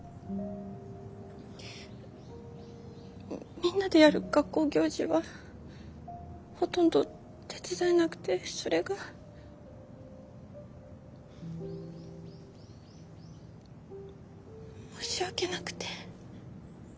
みんなでやる学校行事はほとんど手伝えなくてそれが申し訳なくて。